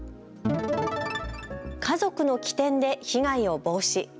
家族の機転で被害を防止。